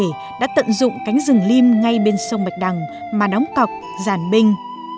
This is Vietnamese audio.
trần quốc tuấn đã tận dụng cánh rừng lim ngay bên sông bạch đằng mà đóng cọc giàn binh